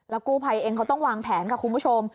กู้ภัยเองเขาต้องวางแผนค่ะคุณผู้ชม